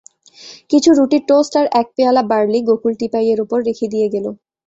কিছু রুটি-টোস্ট আর এক পেয়ালা বার্লি গোকুল টিপাই-এর উপর রেখে দিয়ে গেল।